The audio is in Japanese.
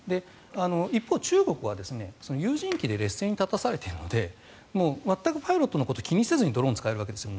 一方、中国は有人機で劣勢に立たされているので全くパイロットのことを気にせずにドローンが使えるわけです。